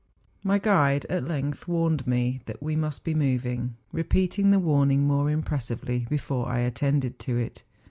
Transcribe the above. My guide at length warned me that we must be moving, repeating the warning more impressively before I attended to it.